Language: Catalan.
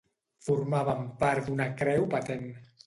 Formaven part d'una creu patent.